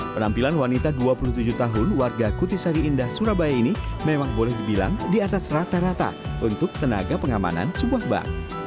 penampilan wanita dua puluh tujuh tahun warga kutisari indah surabaya ini memang boleh dibilang di atas rata rata untuk tenaga pengamanan sebuah bank